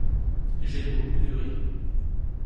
J’ai beaucoup de riz.